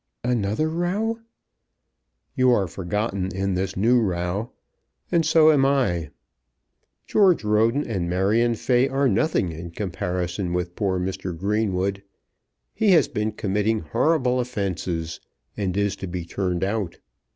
"Another row?" "You are forgotten in this new row, and so am I. George Roden and Marion Fay are nothing in comparison with poor Mr. Greenwood. He has been committing horrible offences, and is to be turned out.